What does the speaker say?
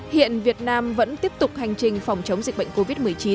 hiện việt nam vẫn tiếp tục hành trình phòng chống dịch bệnh covid một mươi chín